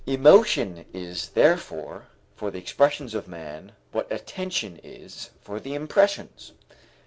Emotion is therefore for the expressions of man what attention is for the impressions.